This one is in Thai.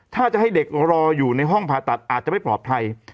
ถ้าจะให้เด็กรออยู่ในห้องผ่าตัดอาจจะไม่ปลอดภัย